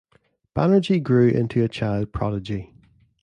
Banerjee grew into a child prodigy.